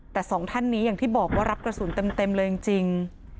แต่สองท่านนี้อย่างที่บอกว่ารับกระสุนเต็มเลยจริง